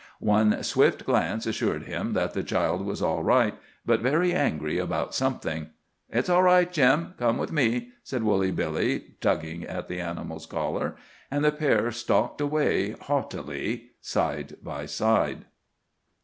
One swift glance assured him that the child was all right, but very angry about something. "It's all right, Jim. Come with me," said Woolly Billy, tugging at the animal's collar. And the pair stalked away haughtily side by side.